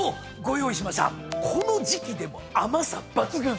この時季でも甘さ抜群！